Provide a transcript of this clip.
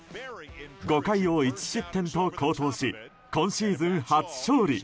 ５回を１失点と好投し今シーズン初勝利。